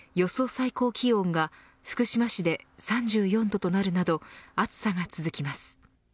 最高気温が福島市で３４度となるなど暑さが続きます。